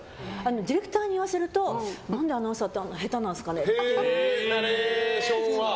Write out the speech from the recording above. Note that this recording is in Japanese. ディレクターに言わせると何でアナウンサーってあんな下手なんですかねって。